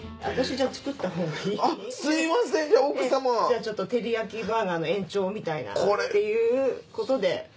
じゃあちょっとテリヤキバーガーの延長みたいなっていうことで。